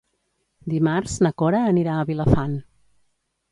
Dimarts na Cora anirà a Vilafant.